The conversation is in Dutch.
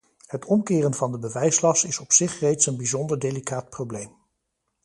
Het omkeren van de bewijslast is op zich reeds een bijzonder delicaat probleem.